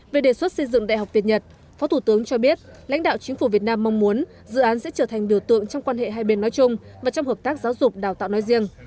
về đề xuất xây dựng đại học việt nhật phó thủ tướng cho biết lãnh đạo chính phủ việt nam mong muốn dự án sẽ trở thành biểu tượng trong quan hệ hai bên nói chung và trong hợp tác giáo dục đào tạo nói riêng